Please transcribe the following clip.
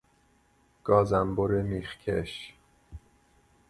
گازانبر میخ کش